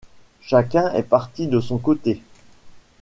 Chacun est parti de son côté.